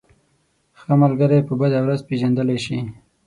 ښه ملگری په بده ورځ پېژندلی شې.